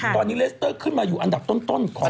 ตอนนี้เลสเตอร์ขึ้นมาอยู่อันดับต้นก่อน